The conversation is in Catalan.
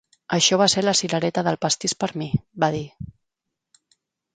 "Això va ser la cirereta del pastís per a mi", va dir.